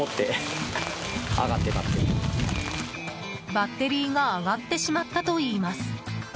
バッテリーが上がってしまったといいます。